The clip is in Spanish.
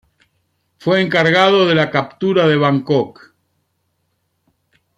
Fue encargado de la captura de Bangkok.